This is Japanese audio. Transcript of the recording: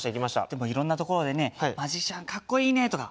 でもいろんな所でねマジシャンかっこいいねとか。